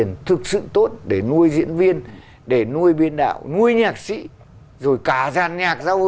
nhạc giao hưởng